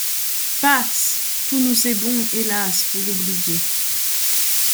Passe ; tout nous est bon, hélas ! pour oublier ;